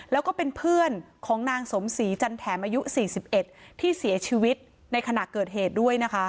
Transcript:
แล้วก็เป็นเพื่อนของนางสมศรีจันแถมอายุ๔๑ที่เสียชีวิตในขณะเกิดเหตุด้วยนะคะ